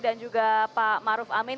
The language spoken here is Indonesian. dan juga pak maruf amin